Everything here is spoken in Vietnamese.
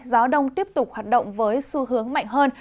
gió đông tiếp tục hoạt động với xu hướng mạnh hơn